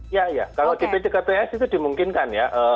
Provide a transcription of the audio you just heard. iya iya kalau di pckps itu dimungkinkan ya